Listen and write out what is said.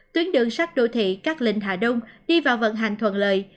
tuyến đường sát đô thị cát linh hạ đông đi vào vận hành thuận lợi